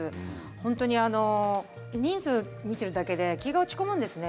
本当に人数見てるだけで気が落ち込むんですね。